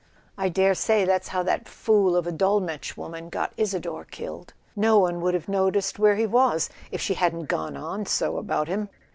I dare say that's how that fool of a Dol metsch woman got Isador killed. No one would have noticed where he was if she hadn't gone on so about him.